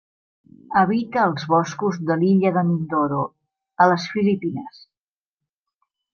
Habita els boscos de l'illa de Mindoro, a les Filipines.